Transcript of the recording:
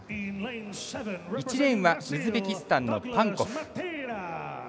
１レーンはウズベキスタンのパンコフ。